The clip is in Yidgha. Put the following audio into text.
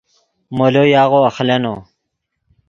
مولو یاغو اخلینو